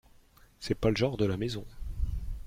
C’est pas le genre de la maison